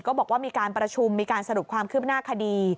บอกว่ามีการประชุมมีการสรุปความคืบหน้าคดี